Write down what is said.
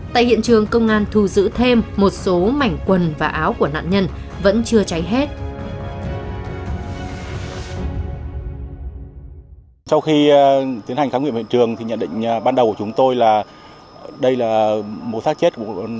tại hiện trường công an thu giữ thêm một số mảnh quần và áo của nạn nhân vẫn chưa cháy hết